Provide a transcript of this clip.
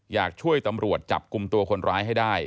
อยากช่วยตำรวจจับกลุ่มตัวคนร้ายให้ได้